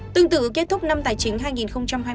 tương tự kết thúc năm tài chính hai nghìn hai mươi